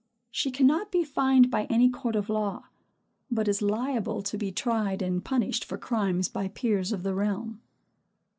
She cannot be fined by any court of law; but is liable to be tried and punished for crimes by peers of the realm.